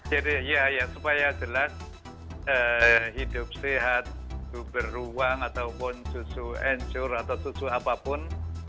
jadi ya supaya jelas hidup sehat beruang ataupun susu encur atau susu apapun